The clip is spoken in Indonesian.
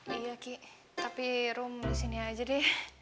iya ki tapi room disini aja deh